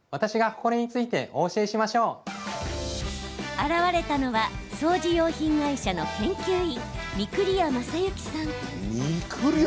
現れたのは掃除用品会社の研究員御厨真幸さん。